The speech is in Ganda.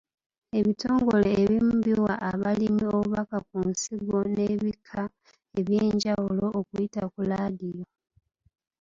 Ebitongole ebimu biwa abalimi obubaka ku nsigo n'ebika eby'enjawulo okuyita ku laadiyo.